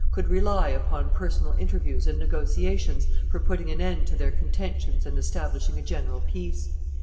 could rely upon personal interviews and negotiations for putting an end to their contentions and establishing a general peace.